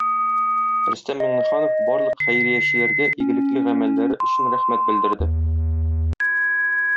Рөстәм Миңнеханов барлык хәйриячеләргә игелекле гамәлләре өчен рәхмәт белдерде.